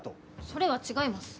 それは違います。